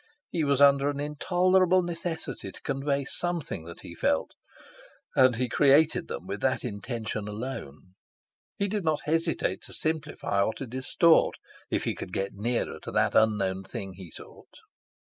He was under an intolerable necessity to convey something that he felt, and he created them with that intention alone. He did not hesitate to simplify or to distort if he could get nearer to that unknown thing he sought.